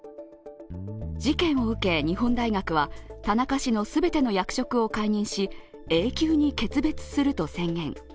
事件を受け、日本大学は田中氏の全ての役職を解任し、永久に決別すると宣言。